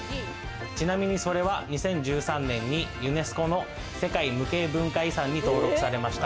ちなみに、それは２０１３年にユネスコの世界無形文化遺産に登録されました。